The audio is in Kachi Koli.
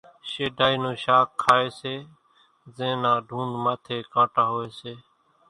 شيڍائِي نون شاک کائيَ سي زين نا ڍونڍ ماٿيَ ڪانٽا هوئيَ سي۔